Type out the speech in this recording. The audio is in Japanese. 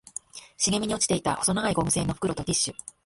茂みに落ちていた細長いゴム製の袋とティッシュ